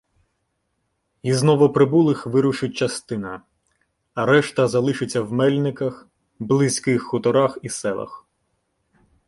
Із новоприбулих вирушить частина, а решта залишаться в Мельниках, близьких хуторах і селах.